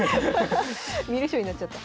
観る将になっちゃった。